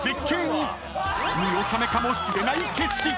［見納めかもしれない景色］